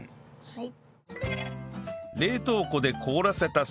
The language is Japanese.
はい。